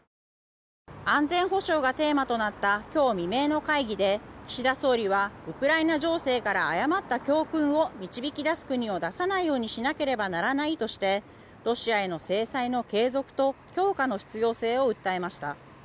安全保障がテーマとなった今日未明の会議で岸田総理はウクライナ情勢から誤った教訓を導き出す国を出さないようにしなければならないとしてロシアへの制裁の継続と強化の必要性を訴えました。